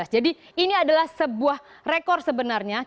jadi ini adalah sebuah rekor sebenarnya